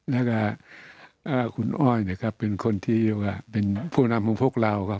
แล้วก็คุณอ้อยนะครับเป็นคนที่เป็นผู้นำของพวกเราครับ